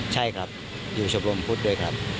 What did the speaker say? ใช่ครับอยู่ชมรมพุทธด้วยครับ